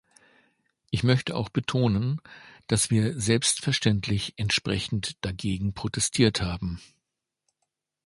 Ich möchte auch betonen, dass wir selbstverständlich entsprechend dagegen protestiert haben.